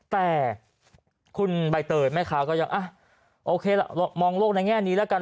แต่คุณใบเติดไหมคะก็ยังโอเคล่ะมองโลกในแง่นี้ละกัน